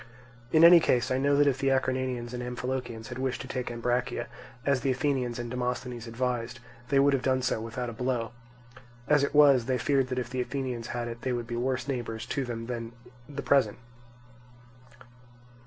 In any case I know that if the Acarnanians and Amphilochians had wished to take Ambracia as the Athenians and Demosthenes advised, they would have done so without a blow; as it was, they feared that if the Athenians had it they would be worse neighbours to them than the present.